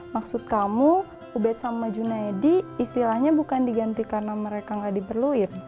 maksud kamu ubed sama junaidi istilahnya bukan diganti karena mereka nggak diperlukan